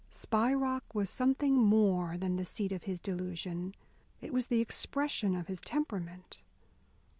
Spy Rock was something more than the seat of his delusion, it was the expression of his temperament.